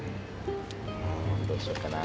どうしようかな。